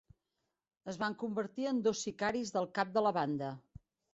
Es van convertir en dos sicaris del cap de la banda.